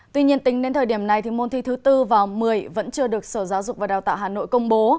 tuy nhiên tính đến thời điểm này thì môn thi thứ bốn vào một mươi vẫn chưa được sở giáo dục và đào tạo hà nội công bố